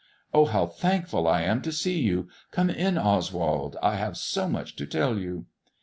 " Oh, how thankful I am to see you ! Come in, Oswald ; I have so much to tell you."